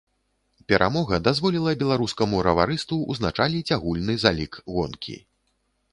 Перамога дазволіла беларускаму раварысту ўзначаліць агульны залік гонкі.